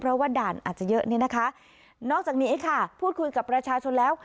เพราะว่าด่านอาจจะเยอะเนี่ยนะคะนอกจากนี้ค่ะพูดคุยกับประชาชนแล้ว